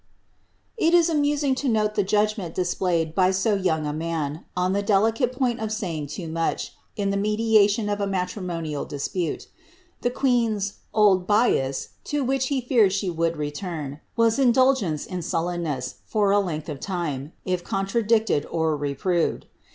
It is amusing to note the judgment displayed by so young a man, on the delicate point of saying too much, in the mediation of a matrimonial dispute. The queen's ^' old bias," to which he feared she would return, was indulgence in sullenness, for a length of time, if contradicted or re proved.